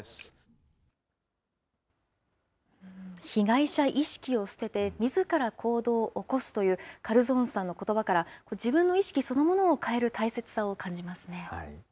被害者意識を捨ててみずから行動を起こすという、カルゾウンさんのことばから、自分の意識そのものを変える大切さを感じますね。